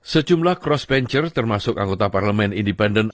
sejumlah crossbencher termasuk anggota parlemen independen